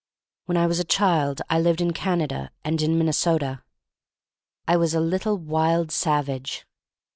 When I was a child I lived in Canada and in Minnesota. I was a little wild savage.